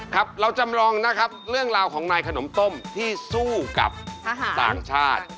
ครับเราจำลองนะครับเรื่องราวของนายขนมต้มที่สู้กับต่างชาติ